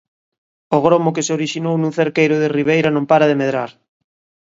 O gromo que se orixinou nun cerqueiro de Ribeira non para de medrar.